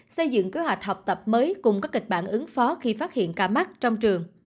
xây dựng kế hoạch học tập mới cùng các kịch bản ứng phó khi phát hiện ca mắc trong trường